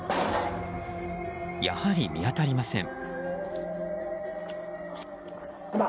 やはり、見当たりません。